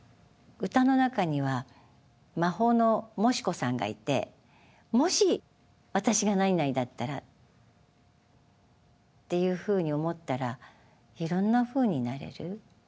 歌の中には「魔法のもし子さん」がいて「もし私がなになにだったら」っていうふうに思ったらいろんなふうになれる。